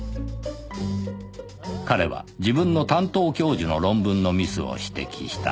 “彼”は自分の担当教授の論文のミスを指摘した